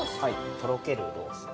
とろけるロース。